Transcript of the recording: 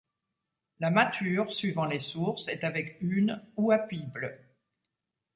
La mâture, suivant les sources, est avec hunes ou à pible.